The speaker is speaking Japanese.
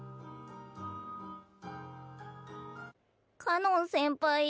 かのん先輩。